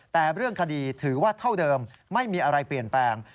แต่เรื่องคดีถือว่าเท่าเดิมไม่มีอะไรเปลี่ยนแปลง